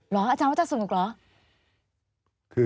สวัสดีครับทุกคน